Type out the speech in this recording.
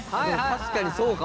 確かにそうかも。